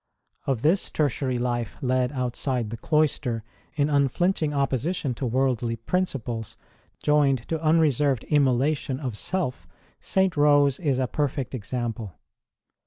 Of this Tertiary life led outside the cloister in unflinching opposition to worldly principles joined to unreserved immolation of self, St. Rose is a perfect example.